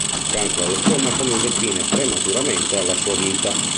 Un cancro allo stomaco mise fine prematuramente alla sua vita.